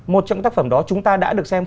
một trong tác phẩm đó chúng ta đã được xem